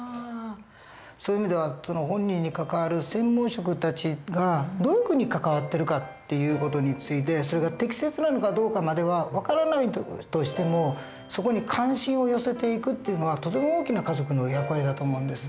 そういう意味では本人に関わる専門職たちがどういうふうに関わってるかっていう事についてそれが適切なのかどうかまでは分からないとしてもそこに関心を寄せていくっていうのはとても大きな家族の役割だと思うんです。